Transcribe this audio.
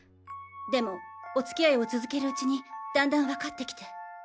でもお付き合いを続けるうちにだんだん分かってきて。